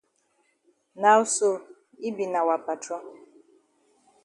Now sl yi be na wa patron.